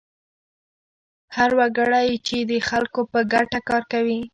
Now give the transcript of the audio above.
هر وګړی چې د خلکو په ګټه کار وکړي.